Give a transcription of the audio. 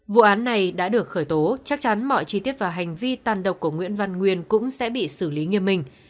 vụ án này đã được khởi tố chắc chắn mọi chi tiết và hành vi tàn độc của nguyễn văn nguyên cũng sẽ bị xử lý nghiêm minh